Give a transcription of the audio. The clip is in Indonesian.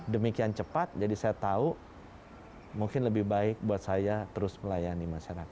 demikian cepat jadi saya tahu mungkin lebih baik buat saya terus melayani masyarakat